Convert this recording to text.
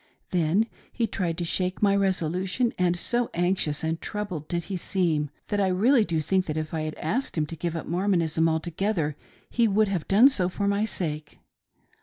Then he tried to shake my resolution, and so anxious and troubled did he seem, that I tealiy do think that if I had asked him to give up Mormonism altogether, h* would have done so for my sake.